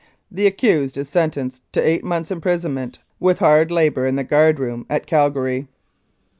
The accused is sentenced to eight months' imprisonment, with hard labour in the guard room at Calgary."